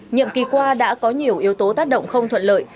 nhiệm kỳ qua đã có nhiều yếu tố tác động không thuận lợi